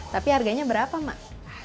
tapi harganya berapa emak